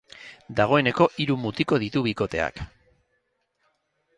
Dagoeneko hiru mutiko ditu bikoteak.